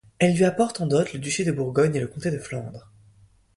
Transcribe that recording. Elle lui apporte en dot le duché de Bourgogne et le comté de Flandre.